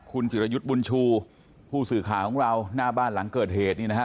คุณจิรยุทธ์บุญชูผู้สื่อข่าวของเราหน้าบ้านหลังเกิดเหตุนี่นะฮะ